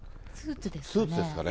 スーツですかね？